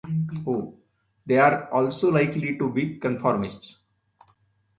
They are also likely to be conformists.